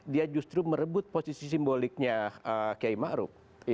dia justru merebut posisi simboliknya kiai ma'ruf